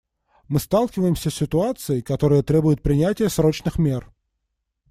Мы сталкиваемся с ситуацией, которая требует принятия срочных мер.